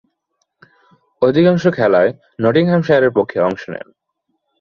অধিকাংশ খেলাই নটিংহ্যামশায়ারের পক্ষে অংশ নেন।